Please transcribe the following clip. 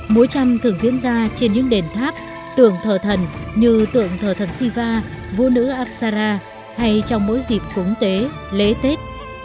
múa trăm thường diễn ra trên những đền tháp tưởng thờ thần như tượng thờ thần siva vũ nữ apsara hay trong mỗi dịp cúng tế lễ tết